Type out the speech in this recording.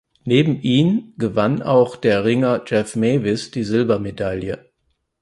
Neben ihm gewann auch der Ringer Jef Mewis die Silbermedaille.